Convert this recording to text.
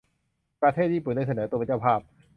ประเทศญี่ปุ่นได้เสนอตัวเป็นเจ้าภาพ